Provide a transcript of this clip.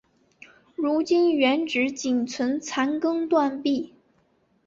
如今原址仅存残垣断壁。